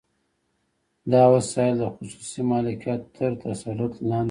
دا وسایل د خصوصي مالکیت تر تسلط لاندې دي